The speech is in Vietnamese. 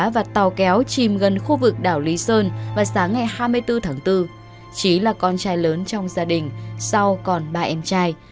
vào sáng ngày hai mươi bốn tháng bốn trí là con trai lớn trong gia đình sau còn ba em trai